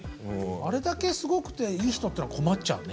あれだけすごくていい人っていうのは困っちゃうね。